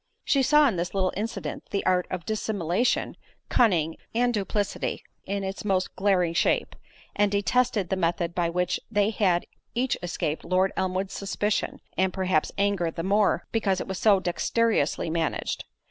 She saw in this little incident the art of dissimulation, cunning, and duplicity in its most glaring shape; and detested the method by which they had each escaped Lord Elmwood's suspicion, and perhaps anger, the more, because it was so dexterously managed.